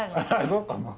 そうかも。